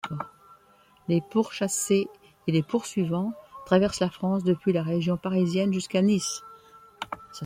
Les pourchassés et les poursuivants traversent la France, depuis la région parisienne jusqu'à Nice.